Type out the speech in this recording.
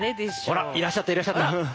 ほらいらっしゃったいらっしゃった！